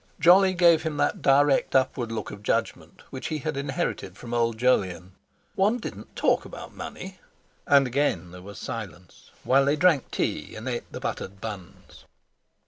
Jolly gave him that direct upward look of judgment which he had inherited from old Jolyon: One didn't talk about money! And again there was silence, while they drank tea and ate the buttered buns.